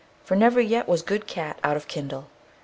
"For never yet was good cat out of kinde."